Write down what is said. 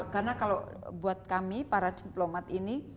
karena kalau buat kami para diplomat ini